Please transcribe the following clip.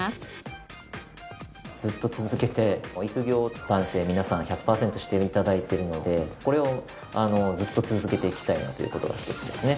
ずっと続けて育業を男性皆さん１００パーセントして頂いてるのでこれをずっと続けていきたいなという事が一つですね。